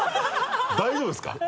大丈夫ですか？